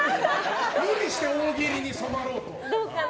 無理して大喜利に染まろうと。